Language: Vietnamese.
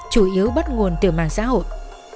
chủ yếu bắt nguồn từ mạng xã hội